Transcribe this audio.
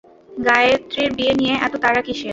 গায়ত্রীর বিয়ে নিয়ে এত তাড়া কীসের?